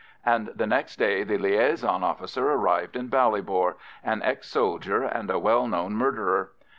And the next day the liaison officer arrived in Ballybor—an ex soldier and a well known murderer.